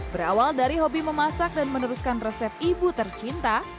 berawal dari hobi memasak dan meneruskan resep ibu tercinta